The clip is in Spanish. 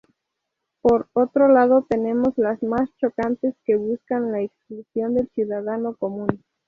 Por otro lado tenemos las más chocantes que buscan la exclusión del ciudadano común.